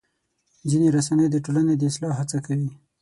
ځینې رسنۍ د ټولنې د اصلاح هڅه کوي.